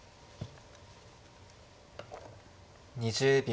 ２０秒。